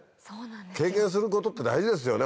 経験することって大事ですよね